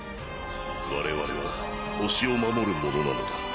我々は惑星を守る者なのだ。